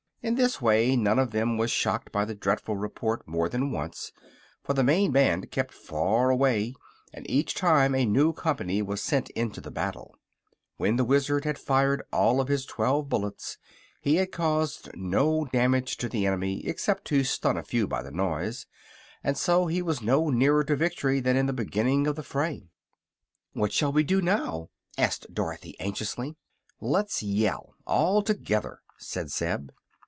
In this way none of them was shocked by the dreadful report more than once, for the main band kept far away and each time a new company was sent into the battle. When the Wizard had fired all of his twelve bullets he had caused no damage to the enemy except to stun a few by the noise, and so he was no nearer to victory than in the beginning of the fray. [Illustration: THE WIZARD FIRED INTO THE THRONG.] "What shall we do now?" asked Dorothy, anxiously. "Let's yell all together," said Zeb.